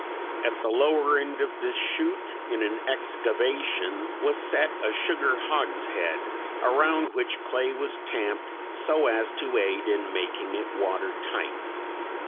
At the lower end of this chute in an excavation was set a sugar hogshead, around which clay was tamped so as to aid in making it watertight.